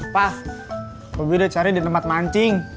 pa aku udah cari di tempat mancing